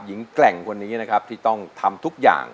แกร่งคนนี้นะครับที่ต้องทำทุกอย่าง